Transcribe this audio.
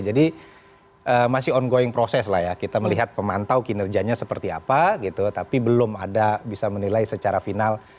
jadi masih ongoing proses lah ya kita melihat pemantau kinerjanya seperti apa gitu tapi belum ada bisa menilai secara final